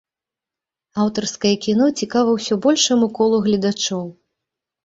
Аўтарскае кіно цікава ўсё большаму колу гледачоў.